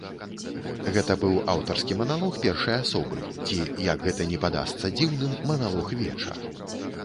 Гэта быў аўтарскі маналог першай асобы, ці, як гэта ні падасца дзіўным, маналог веча.